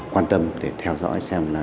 quan tâm để theo dõi xem là